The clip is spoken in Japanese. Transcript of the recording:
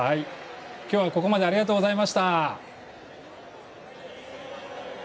今日は、ここまでありがとうございました。